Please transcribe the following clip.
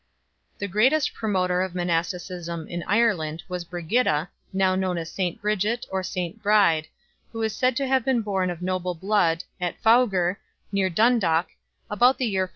The greatest promoter of monasticism in Ireland was Brigida 3 , now known as St Bridget or St Bride, who is said to have been born of noble blood, at Faugher, near Dundalk, about the year 453.